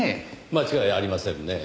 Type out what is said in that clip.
間違いありませんねぇ。